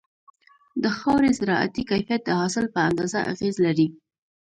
د خاورې زراعتي کيفيت د حاصل په اندازه اغېز لري.